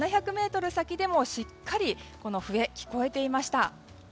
７００ｍ先でもしっかりこの笛は聞こえていました。